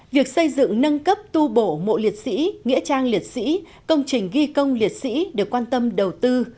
việc xây dựng nâng cấp tu bổ mộ liệt sĩ nghĩa trang liệt sĩ công trình ghi công liệt sĩ được quan tâm đầu tư